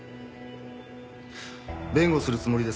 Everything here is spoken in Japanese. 弁護するつもりですか？